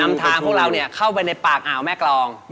นำทางพวกเราเนี่ยเข้าไปในปากอ่าวแม่กรองนะครับ